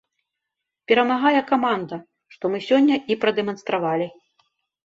Перамагае каманда, што мы сёння і прадэманстравалі.